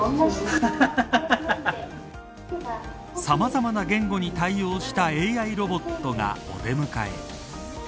さまざまな言語に対応したＡＩロボットがお出迎え。